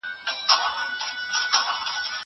زه مخکي د کتابتون لپاره کار کړي وو!!